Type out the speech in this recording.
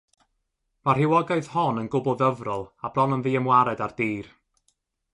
Mae'r rhywogaeth hon yn gwbl ddyfrol a bron yn ddiymwared ar dir.